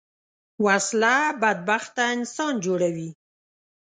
وسله بدبخته انسان جوړوي